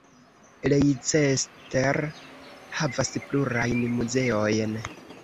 Leicester havas plurajn muzeojn.